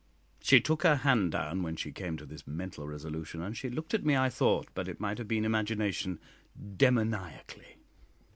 She took her hand down when she came to this mental resolution, and she looked at me, I thought, but it might have been imagination, demoniacally.